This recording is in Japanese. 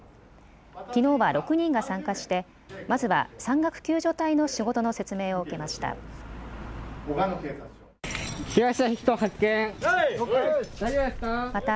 きのうは６人が参加してまずは山岳救助隊の仕事の説明を受けました。